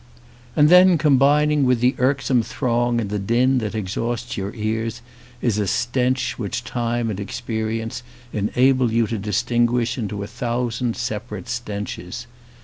And then combining with the irksome throng and the din that exhausts your ears is a stench which time and experience enable you to distin~ guish into a thousand separate stenches.